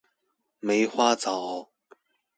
梅花藻